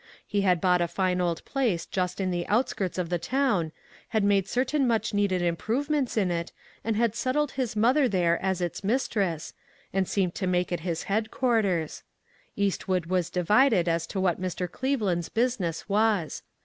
He had bought a fine old place just in the outskirts of the town, had made certain much needed im provements in it, and had settled his mother there as its mistress, and seemed to make it his headquarters. Eastwood was divided as to what Mr. Cleveland's business was.